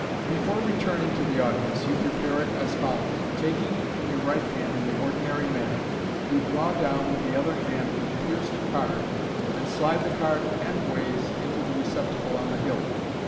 Before returning to the audience, you prepare it as follows :— Taking it in your right hand in the ordinary manner, you draw down with the other hand the pierced card, and slide the card endways into the receptacle on the hilt.